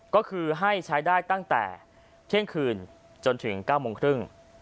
ก็คือให้ใช้ได้ตั้งแต่เที่ยงคืนจนถึง๙โมงครึ่ง